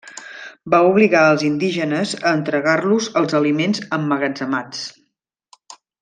Van obligar als indígenes a entregar-los els aliments emmagatzemats.